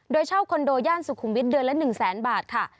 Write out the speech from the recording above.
โดยเช่าคอนโดย่านสุขุมวิทย์เดือนละ๑แสนบาทค่ะ